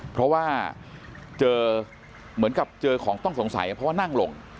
เพราะว่าเจอเหมือนกับเจอของต้องสงสัยเพราะว่านั่งลง